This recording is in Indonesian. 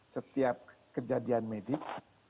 setiap kejadian medik